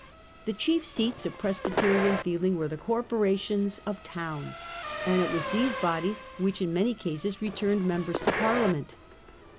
The chief seats of Presbyterian feeling were the corporations of Corporation towns, and it was these bodies which in many December cascs returned members to Parliament.